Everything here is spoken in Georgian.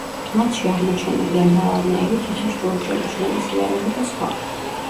მათში აღმოჩენილია მრავალნაირი თიხის ჭურჭელი, შრომის იარაღი და სხვა.